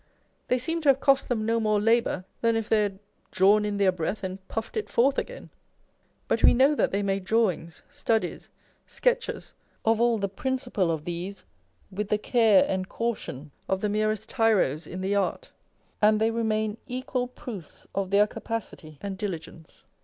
They seem to have cost them no more labour than if they " had drawn in their breath and puffed it for til again." But we know that they made drawings, studies, sketches, of all the prin cipal of these, with the care and caution of the merest tyros in the art ; and they remain equal proofs of their capacity and diligence.